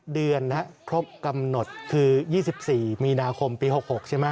เดือนครบกำหนดคือ๒๔มีนาคมปี๖๖ใช่ไหม